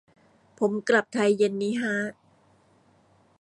ผมกลับไทยเย็นนี้ฮะ